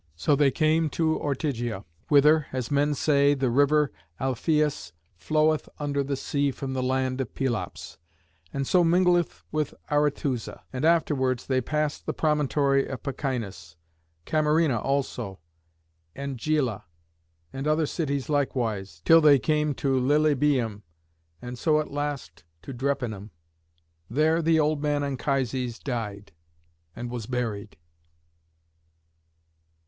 So they came to Ortygia, whither, as men say, the river Alpheüs floweth under the sea from the land of Pelops, and so mingleth with Arethusa; and afterwards they passed the promontory of Pachynus, Camarina also, and Gela, and other cities likewise, till they came to Lilybæum, and so at last to Drepanum. There the old man Anchises died, and was buried.